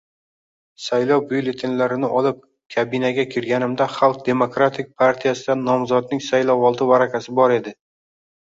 Saylov byulletenlarini olib, kabinaga kirganimda, Xalq demokratik partiyasidan nomzodning saylovoldi varaqasi bor edi